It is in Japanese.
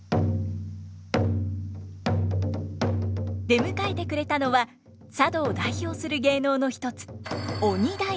出迎えてくれたのは佐渡を代表する芸能の一つ鬼太鼓。